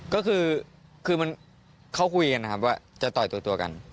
ก็คือเขาคุยกันนะครับว่าจะต่อยตัวกัน